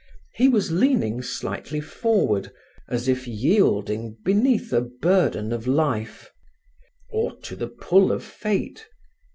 He was leaning slightly forward, as if yielding beneath a burden of life, or to the pull of fate.